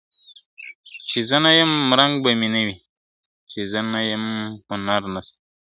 چي زه نه یم رنګ به نه وي، چي زه نه یم هنر نسته ..